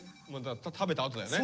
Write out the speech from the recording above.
食べたあとだよね。